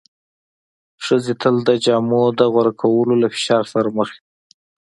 ښځې تل د جامو د غوره کولو له فشار سره مخ وې.